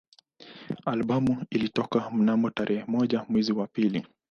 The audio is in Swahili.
Albamu ilitoka mnamo tarehe moja mwezi wa pili